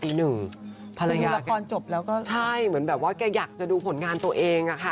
ตีหนึ่งภรรยาการจบแล้วก็ใช่เหมือนแบบว่าแกอยากจะดูผลงานตัวเองอ่ะค่ะ